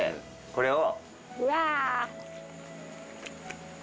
これを。